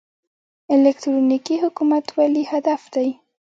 الکترونیکي حکومتولي هدف دی